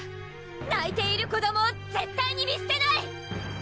ないている子どもを絶対に見すてない！